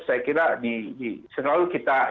saya kira selalu kita